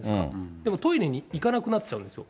でも、トイレに行かなくなっちゃうんですよ。